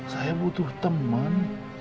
saya butuh teman